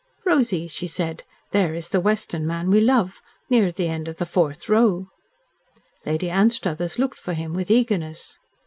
"Rosy," she said, "there is the Western man we love. Near the end of the fourth row." Lady Anstruthers looked for him with eagerness.